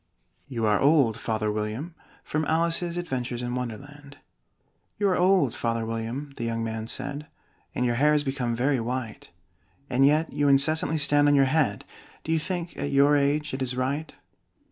YOU ARE OLD, FATHER WILLIAM From 'Alice's Adventures in Wonderland' "You are old, Father William," the young man said, "And your hair has become very white; And yet you incessantly stand on your head Do you think, at your age, it is right?"